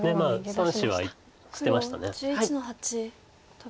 ３子は捨てました。